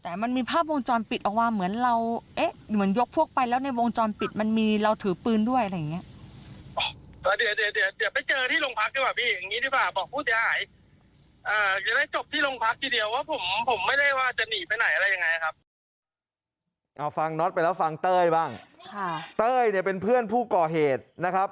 เอาฟังน็อตไปแล้วฟังเต้ยบ้างเต้ยเนี่ยเป็นเพื่อนผู้ก่อเหตุนะครับ